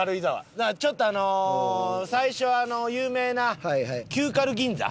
だからちょっと最初有名な旧軽銀座。